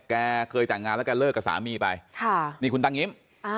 แกเคยแต่งงานแล้วแกเลิกกับสามีไปค่ะนี่คุณตังงิ้ม